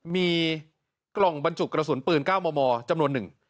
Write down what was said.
มีกล่องบรรจุกระสุนปืน๙มมจำนวนหนึ่ง